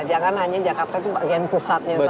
jangan hanya jakarta itu bagian pusatnya saja